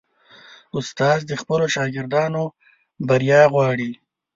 استاد د خپلو شاګردانو بریا غواړي.